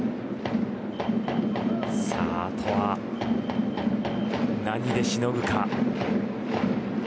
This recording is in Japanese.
あとは何でしのぐか。